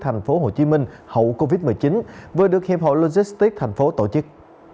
tp hcm hậu covid một mươi chín vừa được hiệp hội logistics tp hcm tổ chức